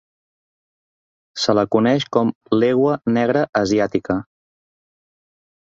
Se la coneix com l'Egua negra asiàtica.